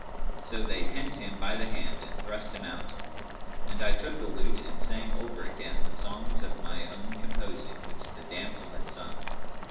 So they hent him by the hand and thrust him out; and I took the lute and sang over again the songs of my own composing which the damsel had sung.